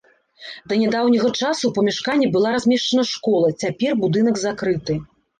Да нядаўняга часу ў памяшканні была размешчана школа, цяпер будынак закрыты.